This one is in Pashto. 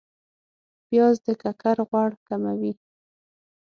پیاز د ککر غوړ کموي